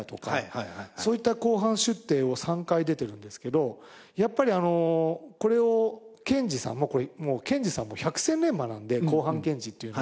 そういった公判出廷を３回出てるんですけどやっぱりこれを検事さんも検事さんも百戦錬磨なんで公判検事っていうのは。